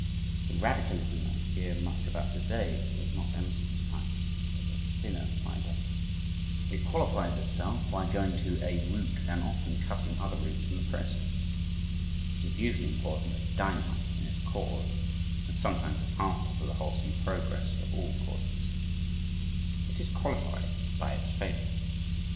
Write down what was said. The radicalism that we hear much about today, is not Emerson's kind but of thinner fiber it qualifies itself by going to A "root" and often cutting other roots in the process; it is usually impotent as dynamite in its cause and sometimes as harmful to the wholesome progress of all causes; it is qualified by its failure.